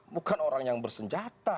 bukan orang yang bersenjata